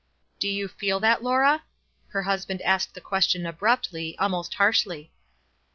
"Do you feel that, Laura?" Her husband asked the question abruptly, almost harshly.